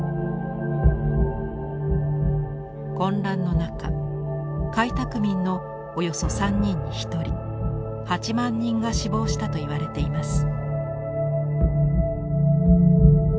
混乱の中開拓民のおよそ３人に１人８万人が死亡したといわれています。